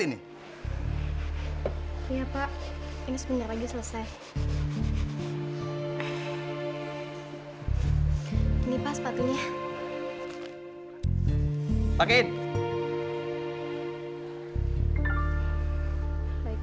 ini pak sepatunya